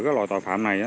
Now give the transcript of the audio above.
cái loại tội phạm này